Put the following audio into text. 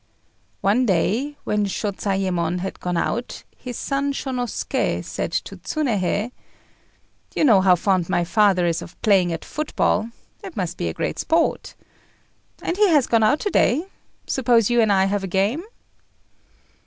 One day, when Shôzayémon had gone out, his son Shônosuké said to Tsunéhei "You know how fond my father is of playing at football: it must be great sport. As he has gone out to day, suppose you and I have a game?"